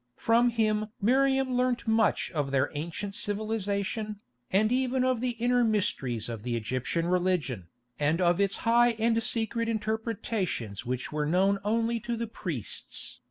From him Miriam learnt much of their ancient civilisation, and even of the inner mysteries of the Egyptian religion, and of its high and secret interpretations which were known only to the priests.